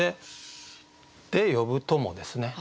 「で呼ぶ友」ですね